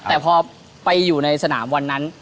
แต่พอไปอยู่ในสนามวันนั้น